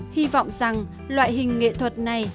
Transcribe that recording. hy vọng rằng loại hình nghệ thuật này